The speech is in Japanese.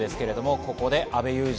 ここで阿部祐二